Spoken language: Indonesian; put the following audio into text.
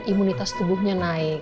imunitas tubuhnya naik